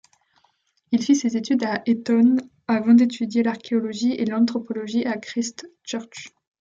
Il fit ses études à Eton avant d’étudier l'archéologie et l'anthropologie à Christ Church.